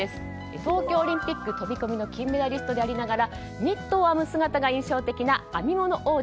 東京オリンピック飛込の金メダリストでありながらニットを編む姿が印象的な編み物王子。